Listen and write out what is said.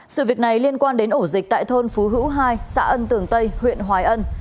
sự việc này liên quan đến ổ dịch tại thôn phú hữu hai xã ân tường tây huyện hoài ân